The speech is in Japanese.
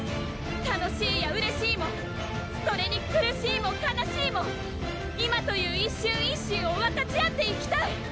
楽しいやうれしいもそれに苦しいも悲しいも今という一瞬一瞬を分かち合っていきたい！